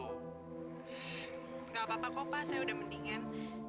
gak apa apa kopa saya udah mendingan